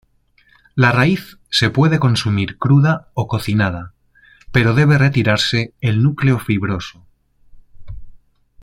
La raíz se puede consumir cruda o cocinada pero debe retirarse el núcleo fibroso.